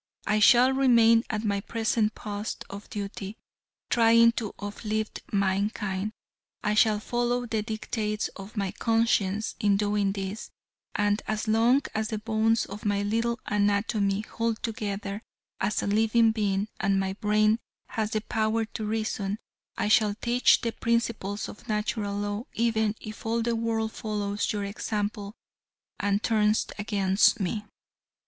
I shall remain at my present post of duty, trying to uplift mankind, I shall follow the dictates of my conscience in doing this, and as long as the bones of my little anatomy hold together as a living being and my brain has the power to reason, I shall teach the principles of Natural Law even if all the world follows your example and turns against me."